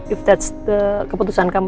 if that's the keputusan kamu